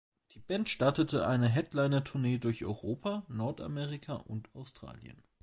Die Band startete eine Headliner-Tournee durch Europa, Nordamerika und Australien.